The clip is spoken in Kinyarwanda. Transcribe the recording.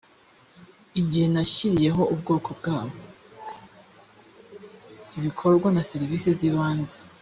ibikorwa na serivise z’ibanze